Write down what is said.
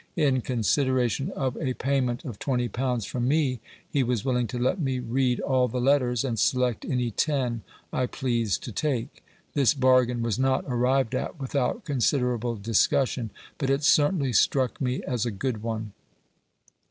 In consideration of a payment of twenty pounds from me, he was willing to let me read all the letters, and select any ten I pleased to take. This bargain was not arrived at without considerable discussion, but it certainly struck me as a good one.